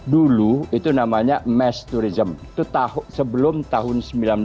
dulu itu namanya mass tourism itu sebelum tahun seribu sembilan ratus sembilan puluh